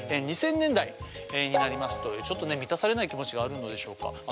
２０００年代になりますとちょっとね満たされない気持ちがあるのでしょうか。